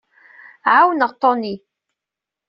Ɛawneɣ Toni.